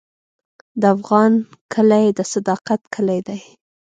د افغان کلی د صداقت کلی دی.